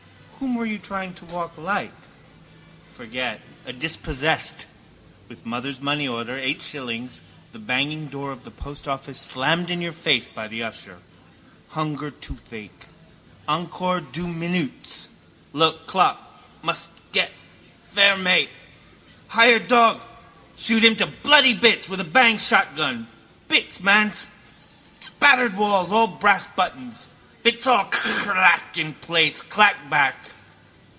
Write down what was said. Whom were you trying to walk like? Forget: a dispossessed. With mother's money order, eight shillings, the banging door of the post office slammed in your face by the usher. Hunger toothache. Encore deux minutes. Look clock. Must get. Fermé. Hired dog! Shoot him to bloody bits with a bang shotgun, bits man spattered walls all brass buttons. Bits all khrrrrklak in place clack back.